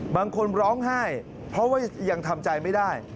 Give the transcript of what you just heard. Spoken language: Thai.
ร้องไห้เพราะว่ายังทำใจไม่ได้